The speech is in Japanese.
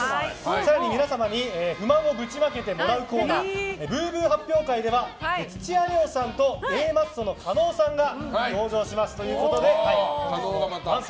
さらに、皆様に不満をぶちまけてもらうコーナーぶうぶう発表会では土屋礼央さんとＡマッソの加納さんが登場します。